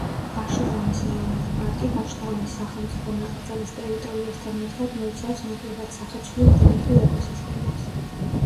ვაშლოვანის ეროვნული პარკი ვაშლოვანის სახელმწიფო ნაკრძალის ტერიტორიასთან ერთად მოიცავს ნაკლებად სახეცვლილ ბუნებრივ ეკოსისტემებს.